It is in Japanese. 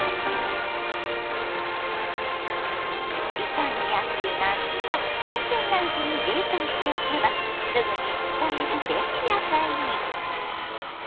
傷みやすいなすは新鮮なうちに冷凍しておけばすぐに使える便利野菜に。